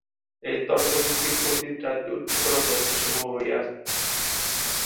এই তর্কযুক্তির অতীত রাজ্যে উচ্চতর তত্ত্বসমূহ রহিয়াছে।